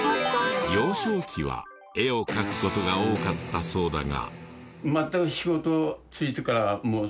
幼少期は絵を描く事が多かったそうだが。